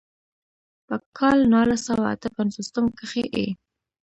پۀ کال نولس سوه اتۀ پنځوستم کښې ئې